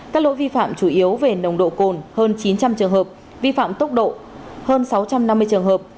các lỗi vi phạm chủ yếu về nồng độ cồn hơn chín trăm linh trường hợp vi phạm tốc độ hơn sáu trăm năm mươi trường hợp